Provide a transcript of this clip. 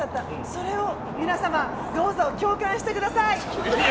それを皆様どうぞ共感してください！